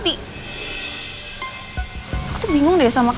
sedangkan kamu sekarang malah ngurusin hal hal yang emang udah jelas terbukti